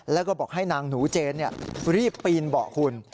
แล้วก็บอกให้นางหนูเจนรีบปีนเบาะคุณ